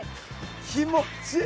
気持ちいい。